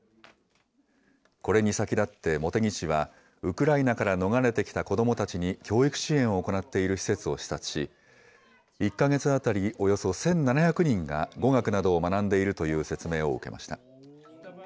これに先立って茂木氏は、ウクライナから逃れてきた子どもたちに教育支援を行っている施設を視察し、１か月当たりおよそ１７００人が語学などを学んでいるという説明を受けました。